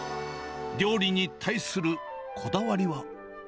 料理に対するこだわりは？